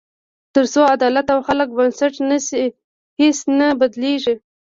تر څو عدالت او خلک بنسټ نه شي، هیڅ نه بدلېږي.